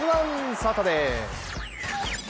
サタデー。